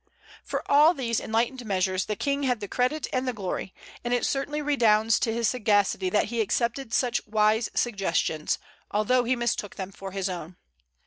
For all these enlightened measures the King had the credit and the glory; and it certainly redounds to his sagacity that he accepted such wise suggestions, although he mistook them for his own.